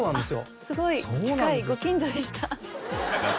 すごい近いご近所でした。